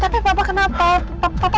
tapi papa kenapa